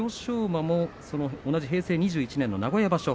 馬も同じ平成２１年の名古屋場所